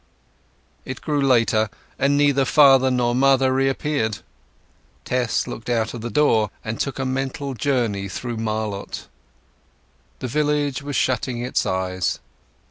It grew later, and neither father nor mother reappeared. Tess looked out of the door, and took a mental journey through Marlott. The village was shutting its eyes.